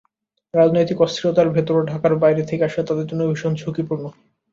রাজনৈতিক অস্থিরতার ভেতর ঢাকার বাইরে থেকে আসা তাদের জন্য ভীষণ ঝুঁকিপূর্ণ।